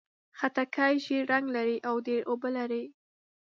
خټکی ژېړ رنګ لري او ډېر اوبه لري.